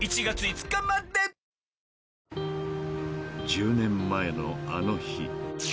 ［１０年前のあの日］